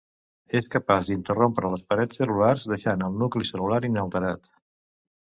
És capaç d'interrompre les parets cel·lulars deixant el nucli cel·lular inalterat.